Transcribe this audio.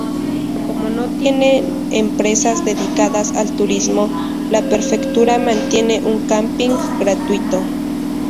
Como no tienen empresas dedicadas al turismo, la prefectura mantienen un "camping" gratuito.